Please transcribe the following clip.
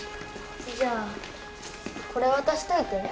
じゃあこれ渡しといて。